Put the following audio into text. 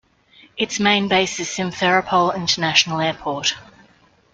Its main base is Simferopol International Airport.